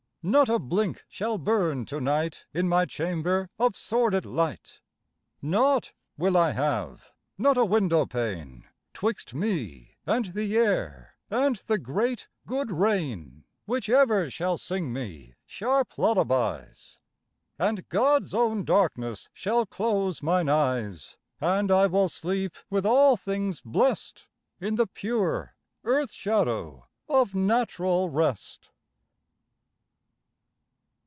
Not a blink shall burn to night In my chamber, of sordid light; Nought will I have, not a window pane, 'Twixt me and the air and the great good rain, Which ever shall sing me sharp lullabies; And God's own darkness shall close mine eyes; And I will sleep, with all things blest, In the pure earth shadow of natural rest.